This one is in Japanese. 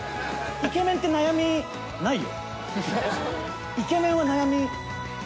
イケメン悩みないよ。